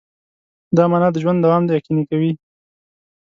دا مانا د ژوند دوام یقیني کوي.